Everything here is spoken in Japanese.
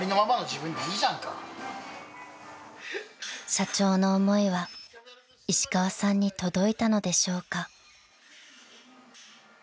［社長の思いは石川さんに届いたのでしょうか］